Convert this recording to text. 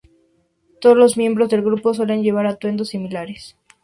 Todos los miembros del grupo suelen llevar atuendos similares.